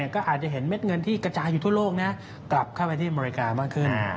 ก็อาจจะเห็นเม็ดเงินที่กระจายอยู่ทั่วโลกกลับเข้าไปที่อเมริกามากขึ้น